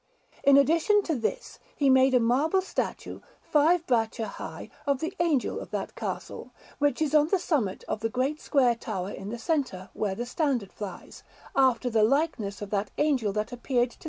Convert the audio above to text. In addition to this, he made a marble statue, five braccia high, of the Angel of that Castle, which is on the summit of the great square tower in the centre, where the standard flies, after the likeness of that Angel that appeared to S.